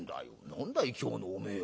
何だい今日のお前は。